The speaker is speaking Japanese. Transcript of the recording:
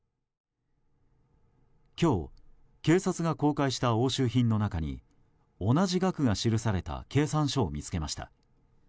今日、警察が公開した押収品の中に同じ額が記された計算書を見つけました。